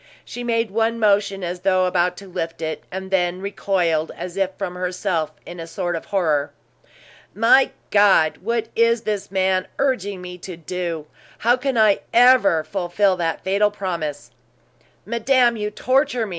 She made one motion as though about to lift it, and then recoiled, as if from herself, in a sort of horror. "My God! What is this man urging me to do? How can I ever fulfill that fatal promise?" "Madame, you torture me!"